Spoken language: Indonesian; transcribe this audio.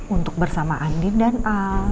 untuk bersama andin dan a